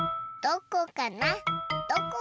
どこかな？